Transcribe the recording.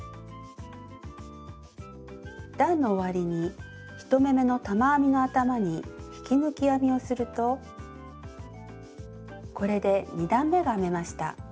段の終わりに１目めの玉編みの頭に引き抜き編みをするとこれで２段めが編めました。